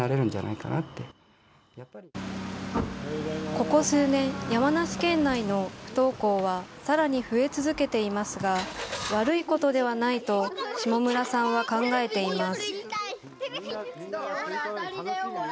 ここ数年、山梨県内の不登校はさらに増え続けていますが、悪いことではないと下村さんは考えています。